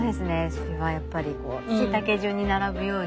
それはやっぱり背丈順に並ぶように。